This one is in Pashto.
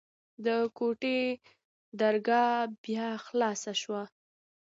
د کوټې درګاه بيا خلاصه سوه.